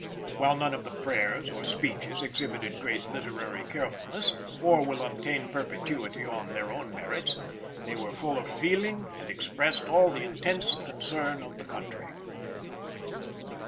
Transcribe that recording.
While none of the prayers or speeches exhibited great literary carefulness, or will obtain perpetuity on their own merits, they were full of feeling and expressed all the intense concern of the country.